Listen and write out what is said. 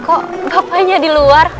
kok bapaknya di luar